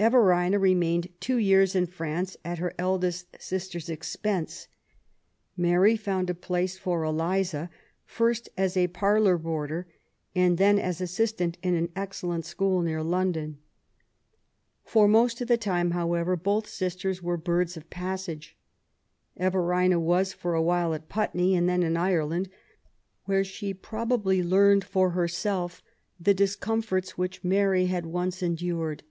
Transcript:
Everina remained two years in France at her eldest sister's expense. Mary found a place for Eliza, first as parlour boarder, and then as assistant, in an excellent school near London. For most of the time, however, both sisters were birds of passage. Everina was for a while at Putney, and then in Ireland, where she pro bably learned for herself the discomforts which Mary had once endured.